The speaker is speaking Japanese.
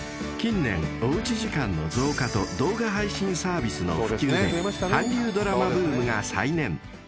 ［近年おうち時間の増加と動画配信サービスの普及で韓流ドラマブームが再燃］